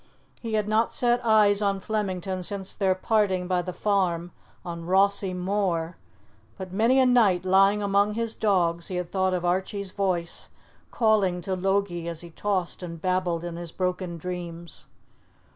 He had not set eyes on Flemington since their parting by the farm on Rossie Moor, but many a night, lying among his dogs, he had thought of Archie's voice calling to Logie as he tossed and babbled in his broken dreams.